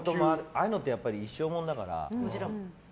ああいうのって一生ものだから。